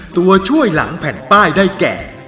ตัวช่วยหลังแผ่นป้ายได้แก่